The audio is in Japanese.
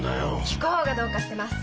聞く方がどうかしてます。